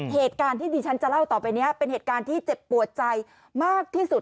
เหตุการณ์ที่ดิฉันจะเล่าต่อไปนี้เป็นเหตุการณ์ที่เจ็บปวดใจมากที่สุด